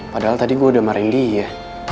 padahal tadi gue udah marahin dia